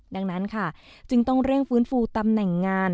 ดังนั้นค่ะจึงต้องเร่งฟื้นฟูตำแหน่งงาน